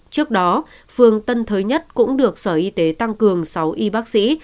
trước đó phường tân thới nhất cũng được sở y tế tăng cường sáu y bác sĩ